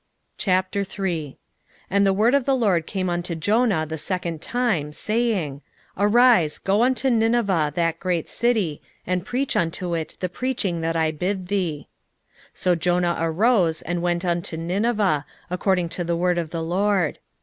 3:1 And the word of the LORD came unto Jonah the second time, saying, 3:2 Arise, go unto Nineveh, that great city, and preach unto it the preaching that I bid thee. 3:3 So Jonah arose, and went unto Nineveh, according to the word of the LORD.